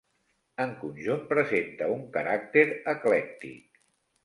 En conjunt presenta un caràcter eclèctic.